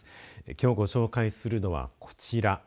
きょうご紹介するのはこちら。